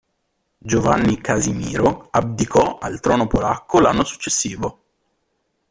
Giovanni Casimiro abdicò al trono polacco l'anno successivo.